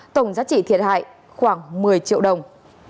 tổng giá trị thiệt hại khoảng một mươi triệu đồng